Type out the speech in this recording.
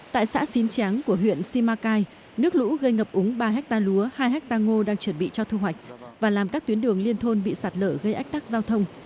tại xã xín tráng của huyện simacai nước lũ gây ngập úng ba ha lúa hai hectare ngô đang chuẩn bị cho thu hoạch và làm các tuyến đường liên thôn bị sạt lở gây ách tắc giao thông